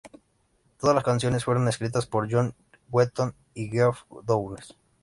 Todas las canciones fueron escritas por John Wetton y Geoff Downes.